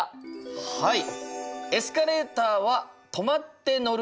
はい。